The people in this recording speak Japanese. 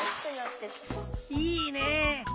いいね！